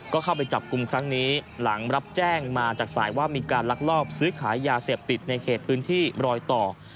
ก็เข้าไปจับกลุ่มครั้งนี้หลังรับแจ้งมาจากสายว่ามีการลักลอบซื้อขายยาเสพติดในเขตพื้นที่รอยต่อ